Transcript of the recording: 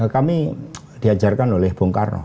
kami diajarkan oleh bung karno